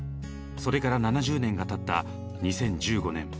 それから７０年がたった２０１５年。